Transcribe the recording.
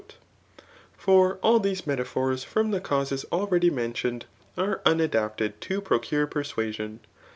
For all these iDetiq>hon, from the causes already mentioiiedy are qnadapted to piocsure persuasipn.